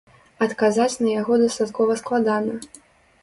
Адказаць на яго дастаткова складана.